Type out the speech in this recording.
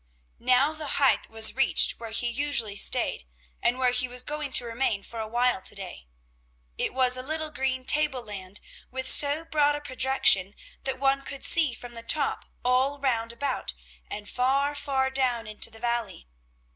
Now the height was reached where he usually stayed, and where he was going to remain for a while to day. It was a little green table land, with so broad a projection that one could see from the top all round about and far, far down into the valley.